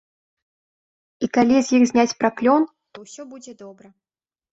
І калі з іх зняць праклён, то ўсё будзе добра.